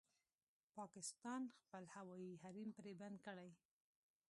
پاکستان خپل هوايي حريم پرې بند کړی